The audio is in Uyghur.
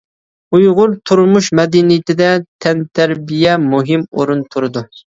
ئۇيغۇر تۇرمۇش مەدەنىيىتىدە تەنتەربىيە مۇھىم ئورۇن تۇتىدۇ.